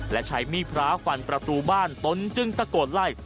และใช้มีดพระฟันประตูบ้านตนจึงตะโกนไล่